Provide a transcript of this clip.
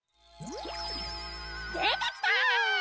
でてきた！